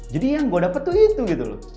jadi yang gue dapet tuh itu gitu loh